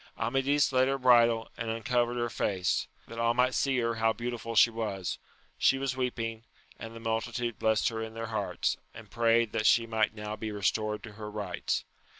Amadis led her bridle, and uncovered her face,* that all might see her how beautiful she was : she was weeping, and the multitude blessed her in their hearts, and prayed that she might now be restored to her rights.